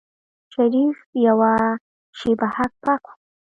شريف يوه شېبه هک پک و.